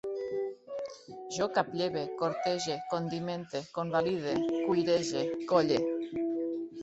Jo caplleve, cortege, condimente, convalide, cuirege, colle